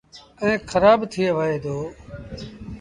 ائيٚݩ کرآب ٿئي وهي دو۔